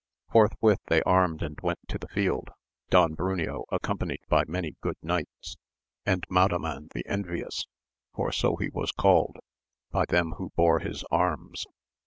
Forthwith they armed and went to the field, Don Bruneo accompanied by many good knights, and Madaman the Envious, for so he was called, by them who bore his arms.